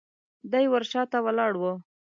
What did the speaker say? دی د ور شاته ولاړ و.